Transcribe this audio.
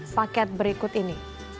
paket berikut ini